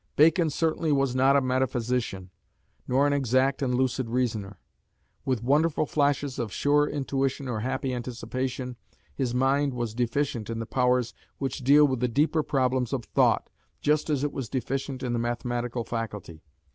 Bacon certainly was not a metaphysician, nor an exact and lucid reasoner. With wonderful flashes of sure intuition or happy anticipation, his mind was deficient in the powers which deal with the deeper problems of thought, just as it was deficient in the mathematical faculty.